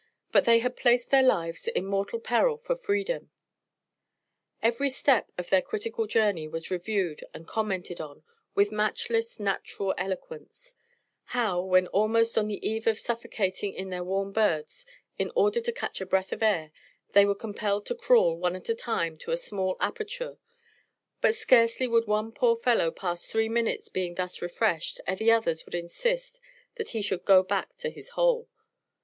But they had placed their lives in mortal peril for freedom. Every step of their critical journey was reviewed and commented on, with matchless natural eloquence, how, when almost on the eve of suffocating in their warm berths, in order to catch a breath of air, they were compelled to crawl, one at a time, to a small aperture; but scarcely would one poor fellow pass three minutes being thus refreshed, ere the others would insist that he should "go back to his hole."